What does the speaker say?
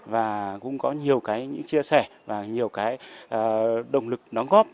và cũng có nhiều cái chia sẻ và nhiều cái động lực đóng góp